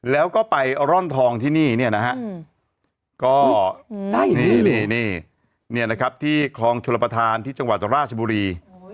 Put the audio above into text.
แล้วก็ไปร่อนทองที่นี่เนี่ยนะฮะก็นี่นะครับที่คลองชลประธานที่จังหวัดราชบุรี